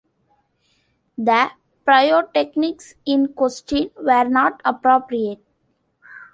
The pyrotechnics in question were not appropriate.